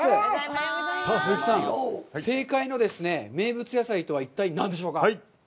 さあ、鈴木さん、正解の名物野菜とは一体何でしょうか。